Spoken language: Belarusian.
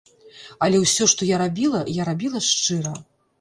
Але ўсё, што я рабіла, я рабіла шчыра.